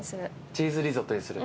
チーズリゾットにする。